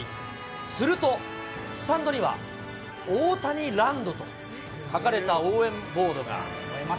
すると、スタンドには大谷ランドと書かれた応援ボードが。